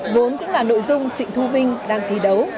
vốn cũng là nội dung trịnh thu vinh đang thi đấu